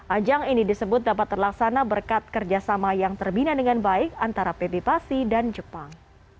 ajang ini disebut dapat terlaksana berkat kerjasama yang terbina dengan baik antara pb pasi dan jepang